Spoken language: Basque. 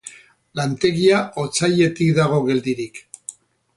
Lantegia otsailetik dago geldirik.